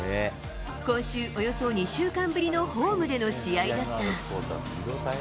今週、およそ２週間ぶりのホームでの試合だった。